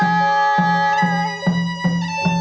ธรรมดา